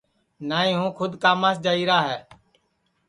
نائی ہوں کُھد کاماس جائیرا ہے